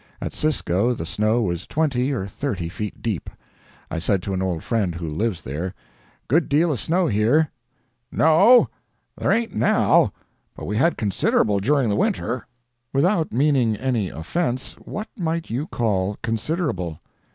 At Cisco the snow was twenty or thirty feet deep. I said to an old friend who lives there: "Good deal of snow here." "No—there ain't now—but we had considerable during the winter." "Without meaning any offense, what might you call 'considerable'?"